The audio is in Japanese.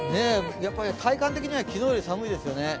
やっぱり体感的には昨日より寒いですよね。